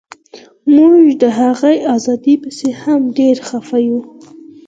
موږ د هغې ازادۍ پسې هم ډیر خفه یو